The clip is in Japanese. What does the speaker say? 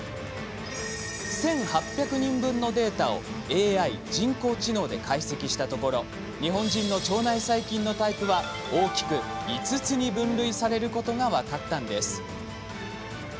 １８００人分のデータをＡＩ、人工知能で解析したところ日本人の腸内細菌のタイプは大きく５つに分類されることが分かったんです。